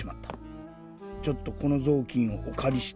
ちょっとこのぞうきんをおかりして。